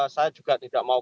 saya juga tidak mau